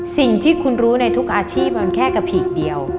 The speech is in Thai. สิ่งที่คุณรู้ในทุกอาชีพมันแค่กระผีกเดียว